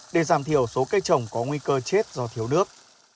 để giảm thiểu số cây trồng có nguy cơ chết do thiếu nước